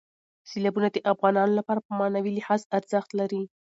سیلابونه د افغانانو لپاره په معنوي لحاظ ارزښت لري.